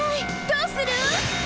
どうする！？